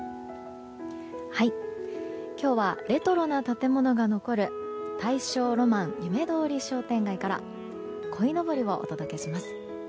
今日はレトロな建物が残る大正浪漫夢通り商店街からこいのぼりをお届けします。